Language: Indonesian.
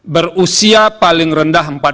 berusia paling rendah